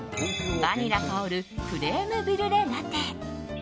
バニラ香るクレームブリュレラテ。